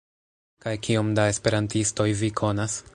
Kaj kiom da esperantistoj vi konas?